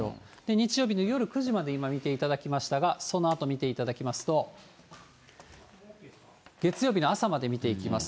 日曜日の夜９時まで今、見ていただきましたが、そのあと見ていただきますと、月曜日の朝まで見ていただきます。